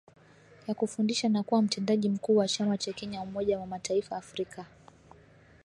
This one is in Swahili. ya kufundisha na kuwa mtendaji mkuu wa chama cha Kenya Umoja wa mataifa afrika